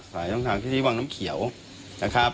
สายอิสานที่วังน้ำเขียวนะครับ